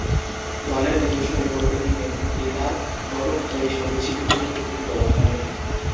দলের নিজস্ব রেকর্ডের লিনার নোট অনুযায়ী সঙ্গীতশিল্পীদের কৃতিত্ব দেওয়া হয়।